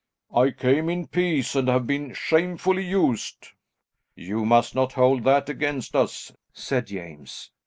"I came in peace and have been shamefully used." "You must not hold that against us," said James.